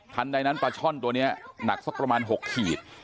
ทันใดนั้นประช่อนตัวนี้หนักประมาณ๖ขีด